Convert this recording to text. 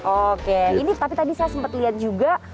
oke ini tapi tadi saya sempat lihat juga